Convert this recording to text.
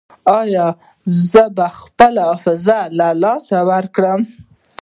ایا زه به خپله حافظه له لاسه ورکړم؟